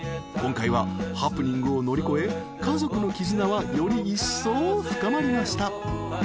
［今回はハプニングを乗り越え家族の絆はよりいっそう深まりました］